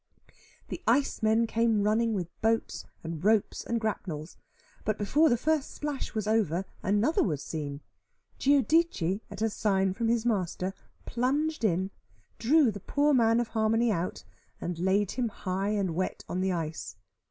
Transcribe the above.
The icemen came running with boats, and ropes, and grapnels. But before the first splash was over, another was seen; Giudice, at a sign from his master, plunged in, drew the poor man of harmony out, and laid him high and wet on the ice.